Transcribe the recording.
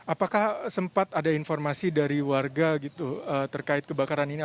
apakah sempat ada informasi dari warga gitu terkait kebakaran ini